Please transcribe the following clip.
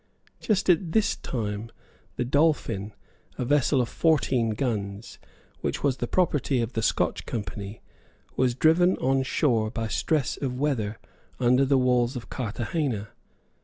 Just at this time, the Dolphin, a vessel of fourteen guns, which was the property of the Scotch Company, was driven on shore by stress of weather under the walls of Carthagena.